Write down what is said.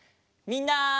みんな！